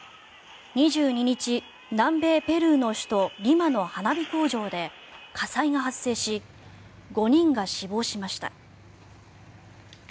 ２２日、南米ペルーの首都リマの花火工場で火災が発生し５人が死亡しました。